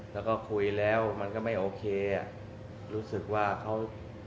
แล้วก็คุยแล้วมันก็ไม่โอเคอ่ะรู้สึกว่าเขา